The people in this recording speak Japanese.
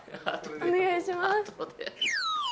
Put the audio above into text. お願いします。